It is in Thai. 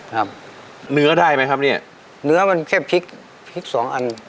ครับเนื้อได้ไหมครับเนี้ยเนื้อมันแค่พริกพริกสองอัน